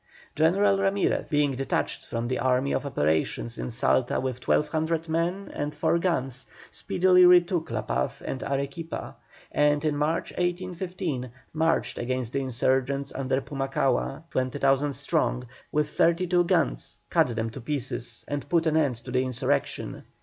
General Ramirez, being detached from the army of operations in Salta with 1,200 men and four guns, speedily retook La Paz and Arequipa, and in March, 1815, marched against the insurgents under Pumacahua, 20,000 strong with thirty seven guns, cut them to pieces, and put an end to the insurrection.